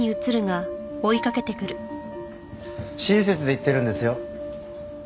親切で言ってるんですよ。